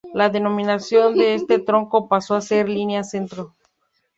La denominación de este tronco pasó a ser "Línea Centro".